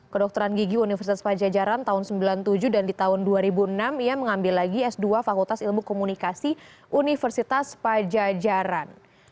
kedokteran gigi universitas pajajaran tahun seribu sembilan ratus sembilan puluh tujuh dan di tahun dua ribu enam ia mengambil lagi s dua fakultas ilmu komunikasi universitas pajajaran